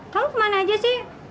kamu kemana aja sih